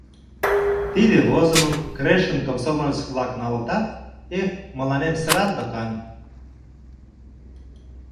Тиде возымым Крешын комсомолец-влак налытат, эх, мыланем сырат докан!